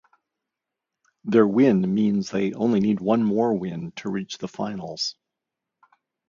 Their win means they only need one more win to reach the Finals.